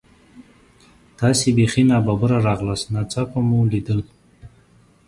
تاسې بیخي نا ببره راغلاست، ناڅاپه مو لیدل.